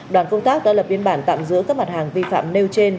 đoàn công tác đã lập biên bản tạm giữ các mặt hàng vi phạm nêu trên